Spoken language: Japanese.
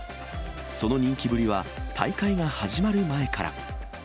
その人気ぶりは大会が始まる前から。